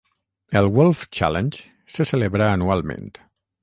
El Wolf Challenge se celebra anualment.